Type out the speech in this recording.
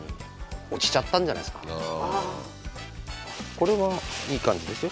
これは。いい感じですよ